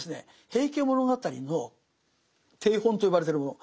「平家物語」の定本と呼ばれてるもの